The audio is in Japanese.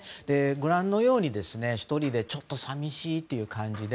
ご覧のように１人でちょっと寂しいという感じで。